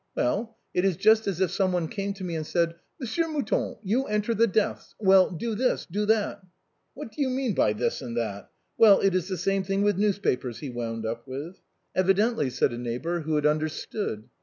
Well, it is just as if someone came to me and said, 'Monsieur Mouton, you enter the deaths — well, do this, do that.' What do you mean by HOW THE BOHEMIAN CLUB WAS FORMED. 25 this and that? Well, it is the same thing with the news papers," he wound up with. " Evidently," said a neighbor who had understood.